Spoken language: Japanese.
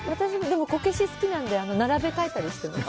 こけし好きなんで並べ替えたりしてます。